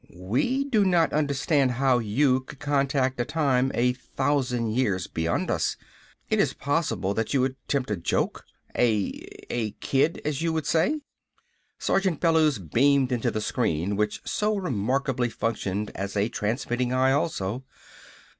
"_We do not understand how you could contact a time a thousand years beyond us. It is possible that you attempt a joke. A a kid, as you would say._" Sergeant Bellews beamed into the screen which so remarkably functioned as a transmitting eye also.